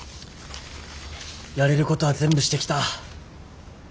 やれることは全部してきた。